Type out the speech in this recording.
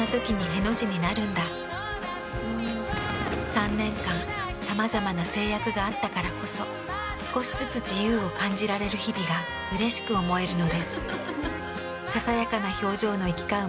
３年間さまざまな制約があったからこそ少しずつ自由を感じられる日々がうれしく思えるのです。